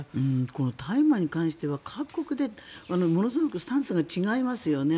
この大麻に関しては各国でものすごくスタンスが違いますよね。